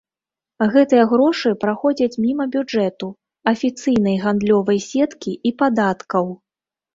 Гэтыя грошы праходзяць міма бюджэту, афіцыйнай гандлёвай сеткі і падаткаў.